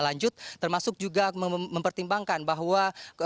lanjut termasuk juga mempertimbangkan bahwa